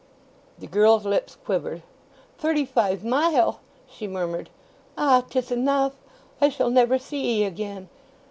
The girl's lips quivered. "Thirty five mile!" she murmured. "Ah! 'tis enough! I shall never see 'ee again!"